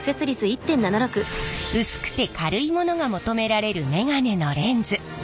薄くて軽いものが求められるメガネのレンズ。